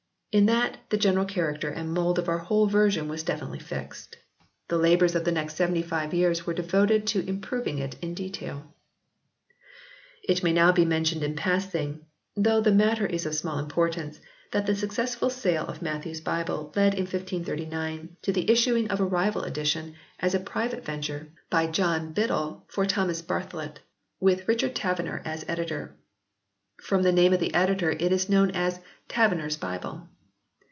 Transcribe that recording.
In that the general character and mould of our whole version was definitely fixed. The labours of the next seventy five years were devoted to im proving it in detail." It may now be mentioned in passing, though the matter is of small importance, that the successful sale of Matthew s Bible led in 1539 to the issuing of a rival edition, as a private venture, by "John Byddell for Thomas Barthlet " with Richard Taverner 62 HISTORY OF THE ENGLISH BIBLE [OH. as editor. From the name of the editor it is known as Taverner s Bible.